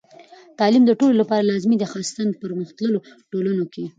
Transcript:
تعلیم د ټولو لپاره لازمي دی، خاصتاً پرمختللو ټولنو کې.